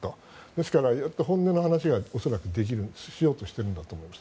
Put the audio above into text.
ですからやっと本音の話をしようとしているんだと思います。